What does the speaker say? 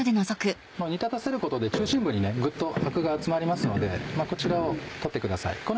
煮立たせることで中心部にグッとアクが集まりますのでこちらを取ってください。